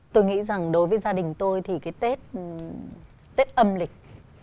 tôi nghĩ rằng đối với gia đình tôi thì cái tết âm lịch